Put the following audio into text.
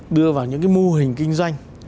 đưa vào những mô hình kinh doanh